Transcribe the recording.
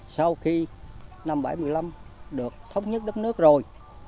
sau khi năm một nghìn chín trăm bảy mươi năm được thống nhất đất nước rồi